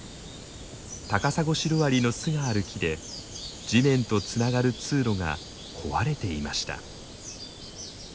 タカサゴシロアリの巣がある木で地面とつながる通路が壊れていました。